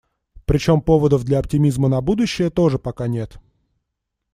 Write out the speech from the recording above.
Причём поводов для оптимизма на будущее тоже пока нет.